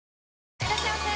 いらっしゃいませ！